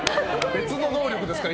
別の能力ですから。